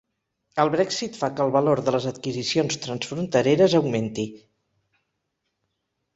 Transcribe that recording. El Brexit fa que el valor de les adquisicions transfrontereres augmenti